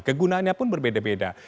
kegunaannya pun berbeda beda